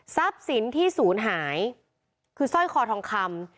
ทรัพย์สินที่ศูนย์หายคือซ่อยคอทองคำ